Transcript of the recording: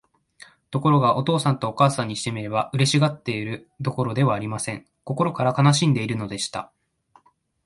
ところが、お父さんとお母さんにしてみれば、嬉しがっているどころではありません。心から悲しんでいるのでした。